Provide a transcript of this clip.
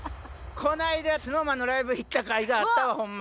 この間ＳｎｏｗＭａｎのライブ行ったかいがあったわホンマ。